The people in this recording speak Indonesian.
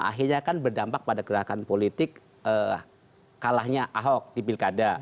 akhirnya kan berdampak pada gerakan politik kalahnya ahok di pilkada